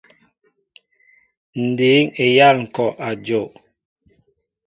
Ǹ dǐŋ eyâl ŋ̀kɔ' a jow.